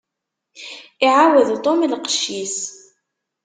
Iɛawed Tom lqecc-is.